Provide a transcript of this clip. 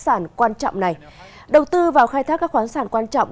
các khoáng sản quan trọng này đầu tư vào khai thác các khoáng sản quan trọng